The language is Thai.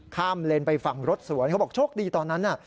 เลนไปฝั่งรถสวนเขาบอกโชคดีตอนนั้นน่ะ